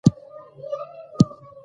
لوستونکي د شعر پر وزن تمرکز کوي.